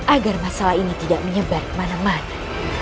agar masalah ini tidak menyebar kemana mana